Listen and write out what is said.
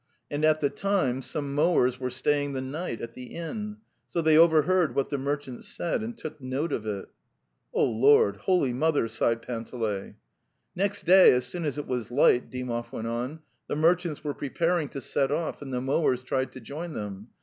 And at the time some mowers were staying the night at the inn. So they overheard what the merchants said and took note of it." Oy Lord tas) itoly: Mother )"\, sighed Yhan teley. '' Next day, as soon as it was light," Dymov went on, '' the merchants were preparing to set off and the mowers tried to join them.